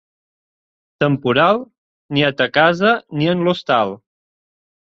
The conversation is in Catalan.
Temporal, ni en ta casa, ni en l'hostal.